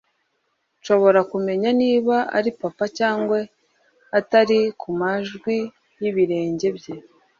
Nshobora kumenya niba ari Papa cyangwa atari ku majwi y'ibirenge bye